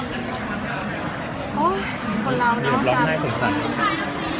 โอ๊ยคนราวน่าวทัน